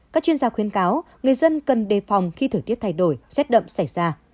các chuyên gia khuyên cáo người dân cần đề phòng khi thời tiết thay đổi xét đậm xảy ra